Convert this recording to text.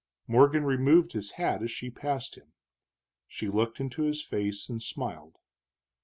Morgan removed his hat as she passed him. She looked into his face and smiled.